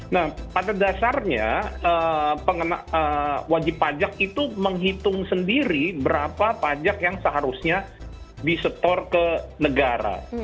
nah pada dasarnya wajib pajak itu menghitung sendiri berapa pajak yang seharusnya disetor ke negara